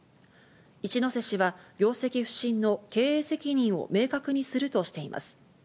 一瀬氏は業績不振の経営責任を明確にするとしています。